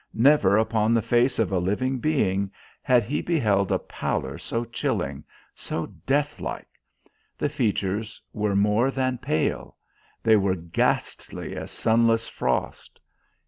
Never upon the face of a living being had he beheld a pallor so chilling, so death like. The features were more than pale. They were ghastly as sunless frost.